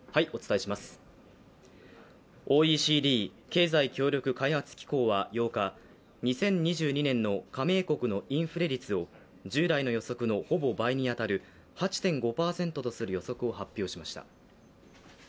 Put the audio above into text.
ＯＥＣＤ＝経済協力開発機構は８日、２０２２年の加盟国のインフレ率を従来の予測のほぼ倍に当たる８．５％とする予測を発表しました。